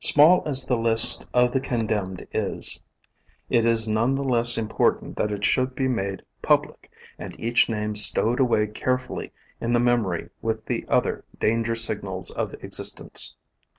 Small as the list of the condemned is, it is none the less important that it should be made public, and each name stowed away carefully in the memory with the other danger signals of existence.